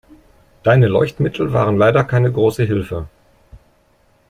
Deine Leuchtmittel waren leider keine große Hilfe.